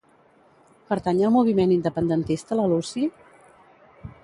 Pertany al moviment independentista la Lucy?